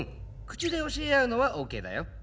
口で教え合うのはオーケーだよ。